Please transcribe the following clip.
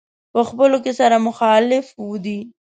په خپلو کې سره مخالف دي.